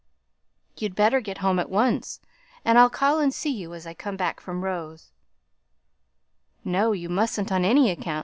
"You'd better get home at once; and I'll call and see you as I come back from Rowe's." "No, you mustn't on any account!"